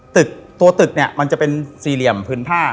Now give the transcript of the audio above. ตัวตึกเนี่ยมันจะเป็นสี่เหลี่ยมพื้นผ้า